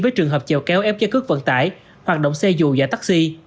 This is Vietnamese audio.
với trường hợp chèo cáo ép giá cước vận tải hoạt động xe dù và taxi